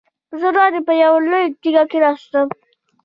زه وړاندې پر یوه لویه تیږه کېناستم.